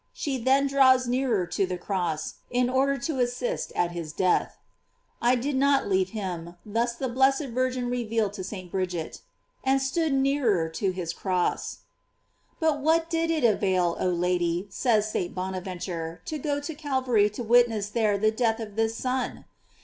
She then draws nearer to the cross, in order to assist at his death. "I did not leave him," thus the blessed Virgin revealed to St. * Serm, 2, de Pass. GLORIES OF MARY. 569 Bridget, "and stood nearer to his cross. "* But what did it avail, oh Lady, says St. Bonaventurc, to go to Calvary to witness there the death of this Son?